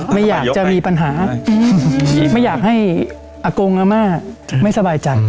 ไม่อยากจะมีปัญหาไม่อยากให้อากงอาม่าไม่สบายใจ